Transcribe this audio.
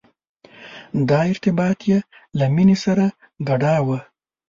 دا ارتباط یې له مینې سره ګډاوه.